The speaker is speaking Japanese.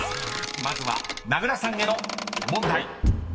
［まずは名倉さんへの問題］